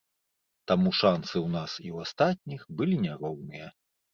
Таму шанцы ў нас і ў астатніх былі няроўныя.